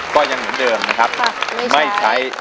ก็ยังเหมือนเดิมนะครับไม่ใช้